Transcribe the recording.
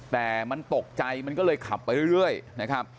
แต่มันตกใจมันก็เลยขับไปเรื่อยนะครับ